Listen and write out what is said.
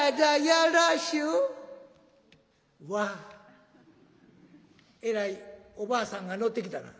「わあえらいおばあさんが乗ってきたな。